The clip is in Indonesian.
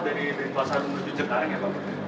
dari pasar menuju cengkareng ya pak